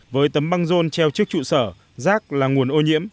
với tấm băng rôn treo trước trụ sở rác là nguồn ô nhiễm